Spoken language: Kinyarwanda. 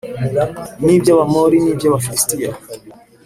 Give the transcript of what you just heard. n’iby’Abamoni n’iby’Abafilisitiya